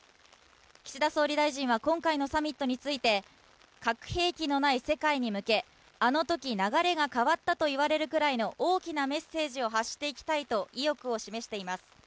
岸田総理大臣は今回のサミットについて核兵器のない世界に向けあのとき流れが変わったと言われるぐらいの大きなメッセージを発していきたいと意欲を示しています。